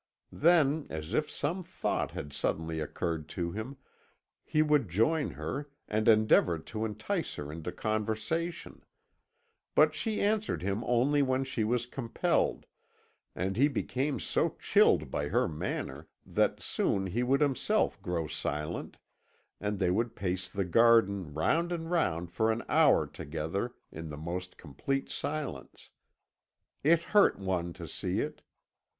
Then, as if some thought had suddenly occurred to him, he would join her, and endeavour to entice her into conversation; but she answered him only when she was compelled, and he became so chilled by her manner that soon he would himself grow silent, and they would pace the garden round and round for an hour together in the most complete silence. It hurt one to see it.